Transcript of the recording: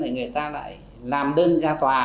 người ta lại làm đơn ra tòa